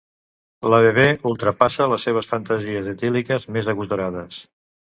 La Bebè ultrapassa les seves fantasies etíliques més agosarades.